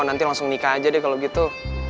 nanti langsung nikah aja deh kalau gitu